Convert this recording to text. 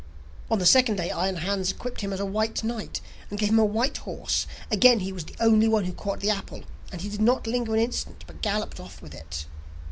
On the second day Iron Hans equipped him as a white knight, and gave him a white horse. Again he was the only one who caught the apple, and he did not linger an instant, but galloped off with it.